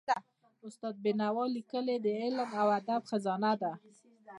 د استاد بینوا ليکني د علم او ادب خزانه ده.